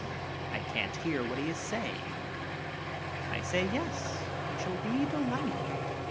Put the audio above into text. I can't hear what he is saying. I say yes, I shall be delighted.